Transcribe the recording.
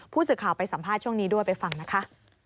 ผู้สื่อข่าวไปสัมภาษณ์ช่วงนี้ด้วยไปฟังนะคะ